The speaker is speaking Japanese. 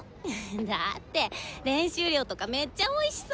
だって練習量とかめっちゃ多いしさ。